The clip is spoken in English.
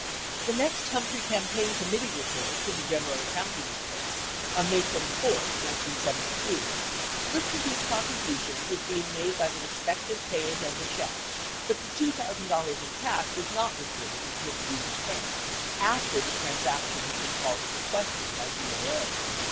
The next Humphrey campaign committee report to the General Accounting Office, on May 24, 1972, listed these contributions as being made by the respective payors on the checks, but the $2,000 in cash was not reported until June 10, after the transaction had been called into question by GAO.